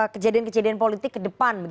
kejadian kejadian politik ke depan